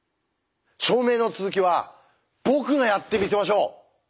証明の続きは僕がやってみせましょう。